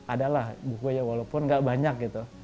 adalah buku aja walaupun nggak banyak gitu